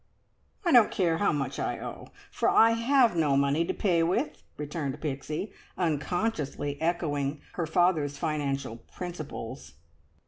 "I don't care how much I owe, for I have no money to pay with," returned Pixie, unconsciously echoing her father's financial principles.